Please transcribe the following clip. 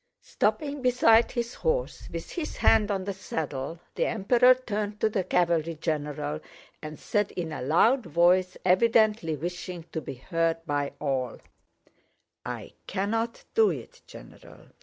Stopping beside his horse, with his hand on the saddle, the Emperor turned to the cavalry general and said in a loud voice, evidently wishing to be heard by all: "I cannot do it, General.